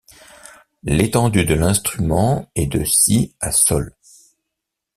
L'étendue de l'instrument est de si à sol.